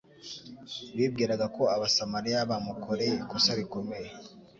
Bibwiraga ko abasamaliya bamukoreye ikosa rikomeye;